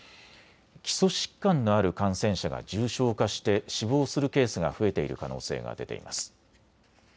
基礎疾患のある感染者が重症化して死亡するケースが増えている可能性が出ています。